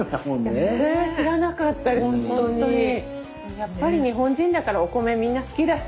やっぱり日本人だからお米みんな好きだし。